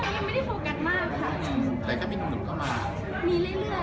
ต่อขึ้นก็เปลี่ยนไปเรื่อย